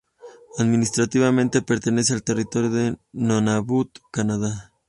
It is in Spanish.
Administrativamente, pertenece al territorio de Nunavut, Canadá.